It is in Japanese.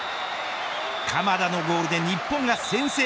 鎌田のゴールで日本が先制。